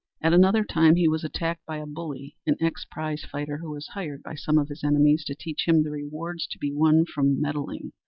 At another time he was attacked by a bully and ex prize fighter who was hired by some of his enemies to teach him the rewards to be won from "meddling."